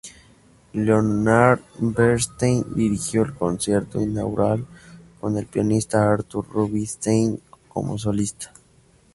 Leonard Bernstein dirigió el concierto inaugural, con el pianista Arthur Rubinstein como solista.